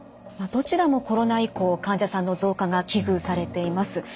どちらもコロナ以降患者さんの増加が危惧されています。